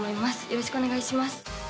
よろしくお願いします